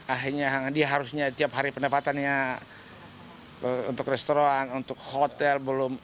akhirnya dia harusnya tiap hari pendapatannya untuk restoran untuk hotel belum